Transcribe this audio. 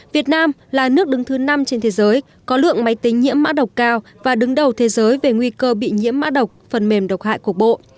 việt nam là nước đứng thứ năm trên thế giới có lượng máy tính nhiễm mã độc cao và đứng đầu thế giới về nguy cơ bị nhiễm mã độc phần mềm độc hại cuộc bộ